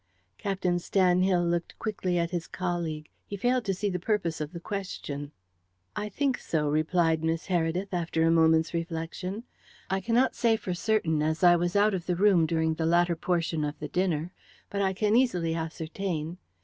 Captain Stanhill looked quickly at his colleague. He failed to see the purpose of the question. "I think so," replied Miss Heredith, after a moment's reflection. "I cannot say for certain, as I was out of the room during the latter portion of the dinner, but I can easily ascertain."